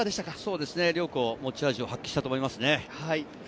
両校、持ち味を発揮したと思います。